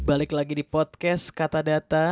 balik lagi di podcast kata data